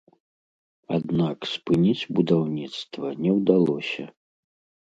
Аднак спыніць будаўніцтва не ўдалося.